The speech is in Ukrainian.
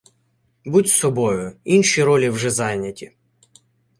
Будь собою! Інші ролі вже зайняті!